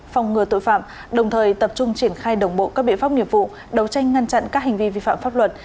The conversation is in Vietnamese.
phòng ngừa tội phạm đồng thời tập trung triển khai đồng bộ các biện pháp nghiệp vụ đấu tranh ngăn chặn các hành vi vi phạm pháp luật